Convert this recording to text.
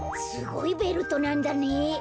すごいベルトなんだねえ。